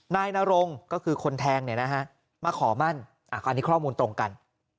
นายนรงก็คือคนแทงมาขอมั่นอันนี้ข้อมูลตรงกัน